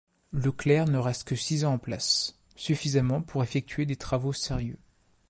Leclerc ne reste que six ans en place, suffisamment pour effectuer des travaux sérieux.